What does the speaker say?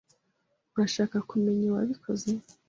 Urashaka kumenya uwabikoze?